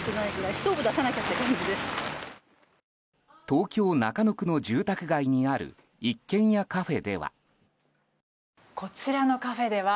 東京・中野区の住宅街にある一軒家カフェでは。